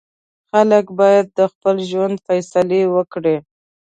خلک باید د خپل ژوند فیصلې وکړي.